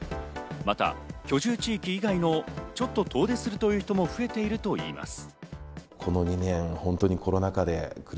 また居住地域以外のちょっと遠出するという人も増えているといいます。